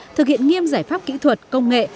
thực hiện nghiêm giải pháp kỹ thuật công nghệ